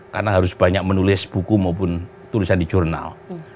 karena harus banyak menulis buku maupun tulisan di jurnal